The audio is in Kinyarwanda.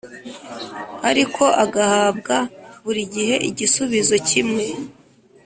ariko agahabwa buri gihe igisubizo kimwe